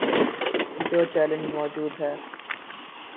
جو چیلنج موجود ہے۔